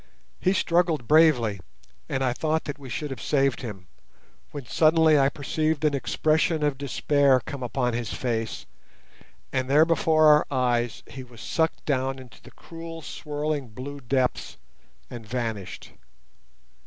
He struggled bravely, and I thought that we should have saved him, when suddenly I perceived an expression of despair come upon his face, and there before our eyes he was sucked down into the cruel swirling blue depths, and vanished.